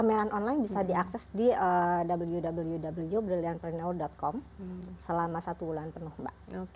pameran online bisa diakses di www brilliantpreneur com selama satu bulan penuh mbak